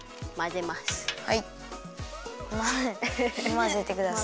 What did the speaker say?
まぜてください。